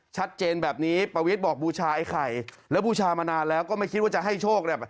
ชัดเจนแบบนี้ปวิทย์บอกบูชาไอ้ไข่แล้วบูชามานานแล้วก็ไม่คิดว่าจะให้โชคเนี่ย